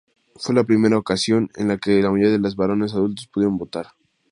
Fue la primera ocasión en que la mayoría de los varones adultos pudieron votar.